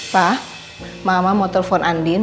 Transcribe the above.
pak mama mau telepon andin